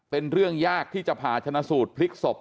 เป็นเรื่องยากที่จะผ่าชนะสูตรพลิกศพ